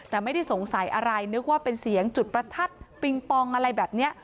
แต่ไม่ได้สงสัยอะไรนึกว่าเป็นเสียงจุดประทัดปิงปองอะไรแบบนี้